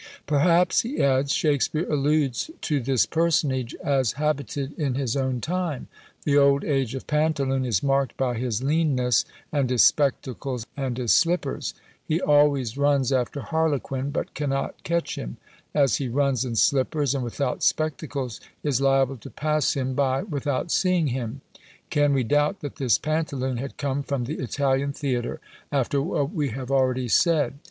Perhaps, he adds, Shakspeare alludes to this personage, as habited in his own time. The old age of Pantaloon is marked by his leanness, and his spectacles and his slippers. He always runs after Harlequin, but cannot catch him; as he runs in slippers and without spectacles, is liable to pass him by without seeing him. Can we doubt that this Pantaloon had come from the Italian theatre, after what we have already said?